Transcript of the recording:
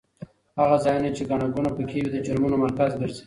هغه ځایونه چې ګڼه ګوڼه پکې وي د جرمونو مرکز ګرځي.